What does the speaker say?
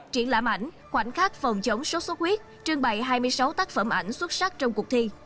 triển lãm ảnh khoảnh khắc phòng chống sốt xuất huyết trưng bày hai mươi sáu tác phẩm ảnh xuất sắc trong cuộc thi